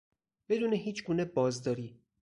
بدون هیچگونه بازداری